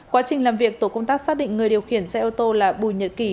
quá trình làm việc tổ công tác xác định người điều khiển xe ô tô là bùi nhật kỳ